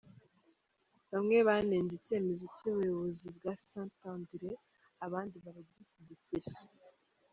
Bamwe banenze icyemezo cy’ubuyobozi bwa Saint Andire abandi baragishyigikira.